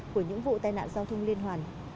của những vụ tai nạn giao thương liên hoàn